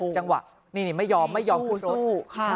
จังหวะนี่ไม่ยอมไม่ยอมขึ้นรถ